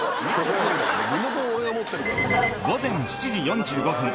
午前７時４５分